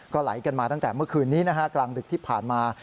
ไหลกันมาตั้งแต่เมื่อคืนนี้นะฮะกลางดึกที่ผ่านมา